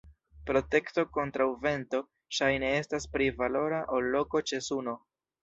Protekto kontraŭ vento ŝajne estas pli valora ol loko ĉe suno.